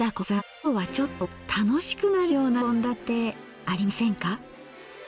今日はちょっと楽しくなるような献立ありませんか？